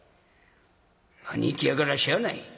兄貴やからしゃあない。